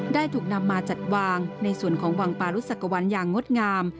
ได้ถูกนำมาจัดวางในส่วนของวังปารุสักวันอย่างงดงาม